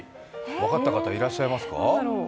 分かった方、いらっしゃいますか？